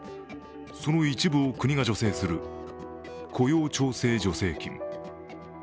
その一部を、国が助成する雇用調整助成金。